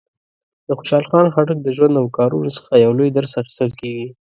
د خوشحال خان خټک د ژوند او کارونو څخه یو لوی درس اخیستل کېږي.